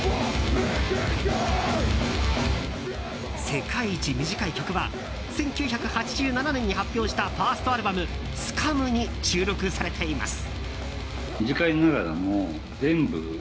世界一短い曲は１９８７年に発表したファーストアルバム「ＳＣＵＭ」に収録されています。